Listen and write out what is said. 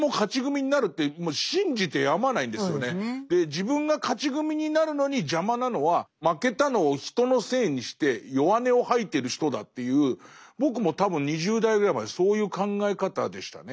自分が勝ち組になるのに邪魔なのは負けたのを人のせいにして弱音を吐いてる人だという僕も多分２０代ぐらいまでそういう考え方でしたね。